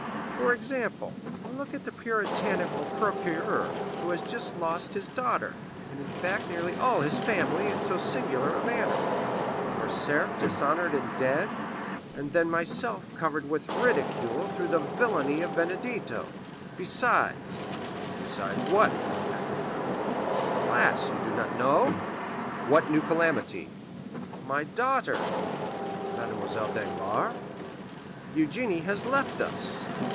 For example, look at the puritanical procureur, who has just lost his daughter, and in fact nearly all his family, in so singular a manner; Morcerf dishonored and dead; and then myself covered with ridicule through the villany of Benedetto; besides——" "Besides what?" asked the Count. "Alas, do you not know?" "What new calamity?" "My daughter——" "Mademoiselle Danglars?" "Eugénie has left us!"